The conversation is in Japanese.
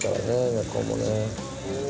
猫もね。